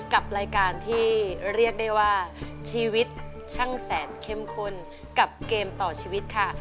กับรายการที่เรียกได้ว่าชีวิตช่างแสนเข้มข้นกับเกมต่อชีวิตค่ะ